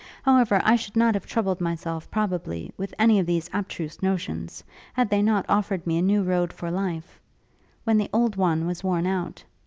However, I should not have troubled myself, probably, with any of these abstruse notions, had they not offered me a new road for life, when the old one was worn out.